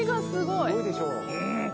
すごいでしょう。